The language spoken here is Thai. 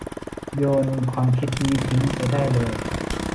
โยนความคิดนี้ทิ้งไปได้เลย